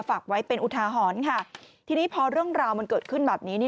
ฝากไว้เป็นอุทาหรณ์ค่ะทีนี้พอเรื่องราวมันเกิดขึ้นแบบนี้